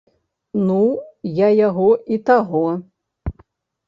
Ну, я яго і таго.